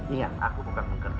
ingat aku bukan mengerti